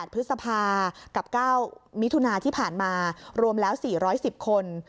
พฤษภากับ๙มิถุนาที่ผ่านมารวมแล้ว๔๑๐คน